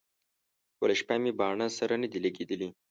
ټوله شپه مې باڼه سره نه دي لګېدلي.